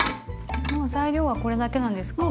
もう材料はこれだけなんですか？